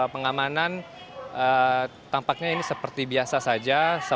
pengamanan tampaknya ini seperti biasa saja